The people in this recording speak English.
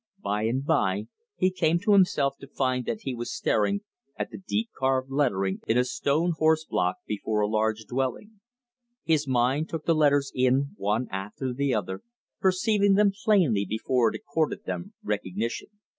By and by he came to himself to find that he was staring at the deep carved lettering in a stone horse block before a large dwelling. His mind took the letters in one after the other, perceiving them plainly before it accorded them recognition.